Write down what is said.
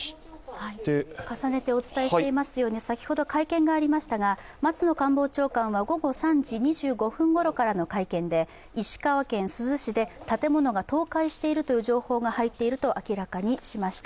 先ほど会見がありましたが松野官房長官は午後２時２５分ごろからの会見で石川県珠洲市で建物が倒壊しているという情報が入っていると明らかにしました。